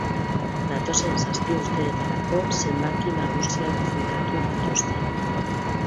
Datozen zazpi urteetarako zenbaki nagusiak finkatu dituzte.